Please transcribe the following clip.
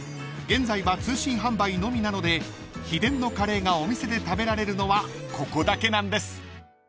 ［現在は通信販売のみなので秘伝のカレーがお店で食べられるのはここだけなんです］